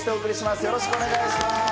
よろしくお願いします。